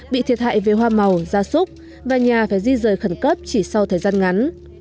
bị thiệt hại về hoa màu da súc và nhà phải di rời khẩn cấp chỉ sau thời gian ngắn